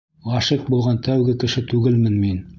Ғашиҡ булған тәүге кеше түгелмен мин